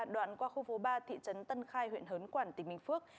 đoạn qua khu phố ba thị trấn tân khai huyện hớn quản tỉnh bình phước